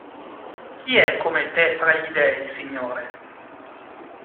Chi è come te fra gli dèi, Signore?